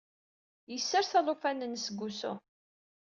Yessers alufan-nnes deg wusu.